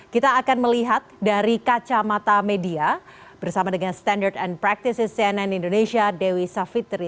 kita akan melihat dari kacamata media bersama dengan standard and practices cnn indonesia dewi savitri